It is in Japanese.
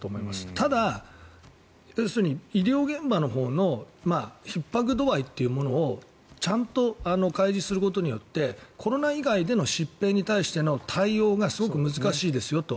ただ、医療現場のほうのひっ迫度合いというものをちゃんと開示することによってコロナ以外での疾病に対しての対応がすごく難しいですよと。